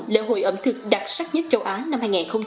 lễ hội ẩm thực đặc sắc nhất châu á năm hai nghìn hai mươi ba